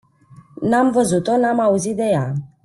N-am văzut-o, n-am auzit de ea.